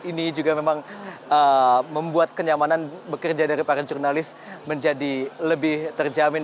ini juga memang membuat kenyamanan bekerja dari para jurnalis menjadi lebih terjamin